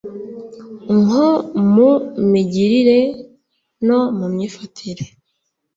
nko mu migirire no mu myifatire